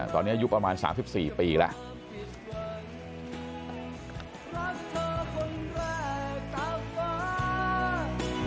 ตอนนี้อายุประมาณ๓๔ปีแล้ว